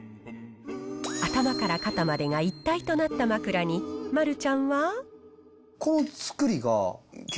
頭から肩までが一体となった枕に丸ちゃんは。